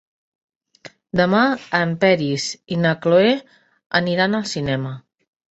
Demà en Peris i na Cloè aniran al cinema.